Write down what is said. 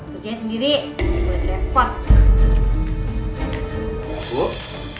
kerjain sendiri ini mulai repot